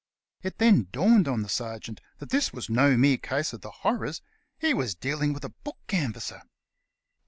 It then dawned on the sergeant that this was no mere case of the horrors — he was dealing with a book canvasser.